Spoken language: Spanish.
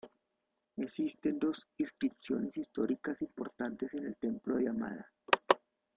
Existen dos inscripciones históricas importantes en el templo de Amada.